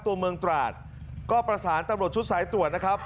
ตัวเมืองตราดก็ประสานตำรวจชุดสายตรวจนะครับ